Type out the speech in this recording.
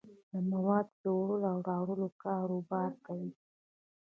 د موادو دوړلو او راوړلو کاروبار کوي.